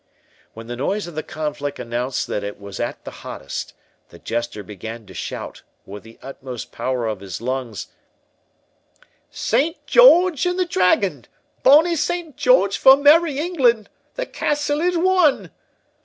When the noise of the conflict announced that it was at the hottest, the Jester began to shout, with the utmost power of his lungs, "Saint George and the dragon!—Bonny Saint George for merry England!—The castle is won!"